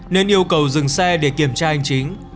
nên yêu cầu dừng xe để kiểm tra hành chính